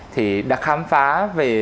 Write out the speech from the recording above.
thì đã khám phá về